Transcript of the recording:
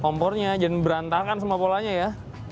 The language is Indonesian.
kompornya jangan berantakan semua polanya ya